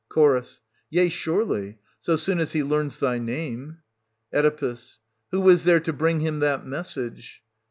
'* 300 Ch. Yea, surely, so soon as he learns thy name. Oe. Who IS there to bring him that message